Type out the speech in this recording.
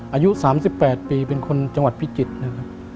อายุ๓๘ปีเป็นคนจังหวัดพิจิตรนะครับ